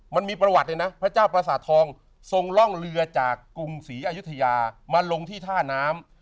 มันมีประวัติเลยนะพระเจ้าประสาททองทรงร่องเรือจากกรุงศรีอยุธยามาลงที่ท่าน้ำ